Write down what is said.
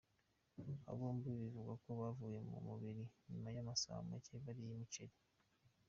Aba bombi bivugwa ko bavuye mu mubiri nyuma y’amasaha make bariye umuceri.